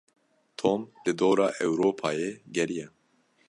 Tom li dora Ewropayê geriya.